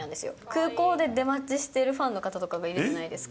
空港で出待ちしているファンの方とかがいるじゃないですか。